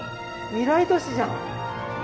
未来都市じゃん。